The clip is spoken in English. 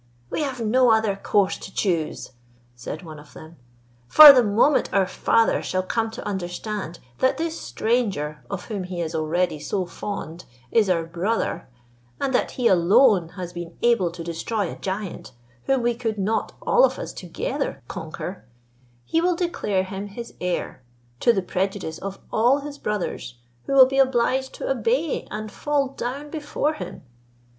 "We have no other course to choose," said one of them, "for the moment our father shall come to understand that this stranger of whom he is already so fond, is our brother, and that he alone has been able to destroy a giant, whom we could not all of us together conquer, he will declare him his heir, to the prejudice of all his brothers, who will be obliged to obey and fall down before him."